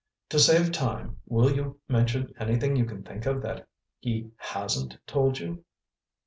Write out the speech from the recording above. To save time: will you mention anything you can think of that he HASN'T told you?"